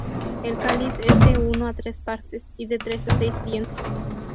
El cáliz es de uno a tres partes, y de tres a seis dientes.